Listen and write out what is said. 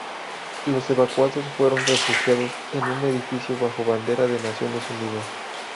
Los evacuados fueron refugiados en un edificio bajo bandera de Naciones Unidas.